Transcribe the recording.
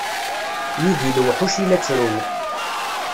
Yid-i lewḥuc i la ttrun.